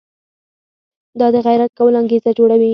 دا د غیرت کولو انګېزه جوړوي.